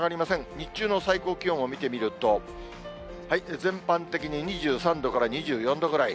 日中の最高気温を見てみると、全般的に２３度から２４度ぐらい。